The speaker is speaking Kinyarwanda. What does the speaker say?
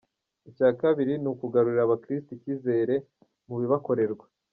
Icya kabiri ni ukugarurira abakirisitu icyizere mu bibakorerwa.